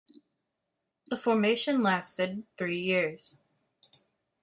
The formation lasted three years.